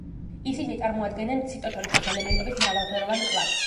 ისინი წარმოადგენენ ციტოჩონჩხის ელემენტების მრავალფეროვან კლასს.